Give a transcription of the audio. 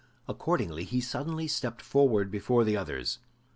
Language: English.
Accordingly he suddenly stepped forward before the others.